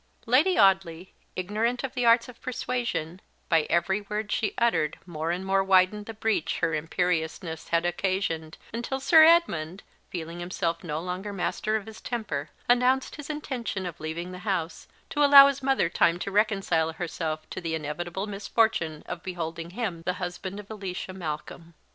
Lady Audley, ignorant of the arts of persuasion, by every word she uttered more and more widened the breach her imperiousness had occasioned, until Sir Edmund, feeling himself no longer master of his temper, announced his intention of leaving the house, to allow his mother time to reconcile herself to the inevitable misfortune of beholding him the husband of Alicia Malcolm.